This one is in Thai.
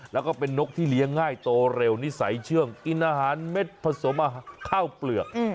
แล้วก็เป็นนกที่เลี้ยงง่ายโตเร็วนิสัยเชื่องกินอาหารเม็ดผสมข้าวเปลือก